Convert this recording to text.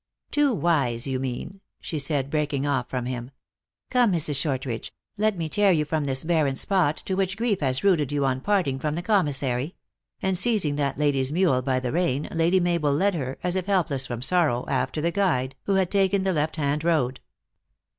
" Too wise, you mean," she said, breaking off from him. " Come, Mrs. Shortridge, let me tear you from this barren spot, to which grief lias rooted you on parting from the commissary ;" and, seizing that lady s mule by the rein, Lady Mabel led her, as if helpless from sorrow, after the guide, who had taken the left hand road.